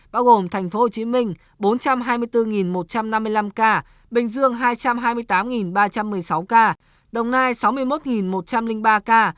bao gồm thành phố hồ chí minh bốn trăm hai mươi bốn một trăm năm mươi năm ca bình dương hai trăm hai mươi tám ba trăm một mươi sáu ca đồng nai sáu mươi một một trăm linh ba ca